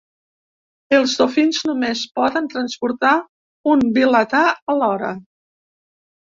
Els dofins només poden transportar un vilatà alhora.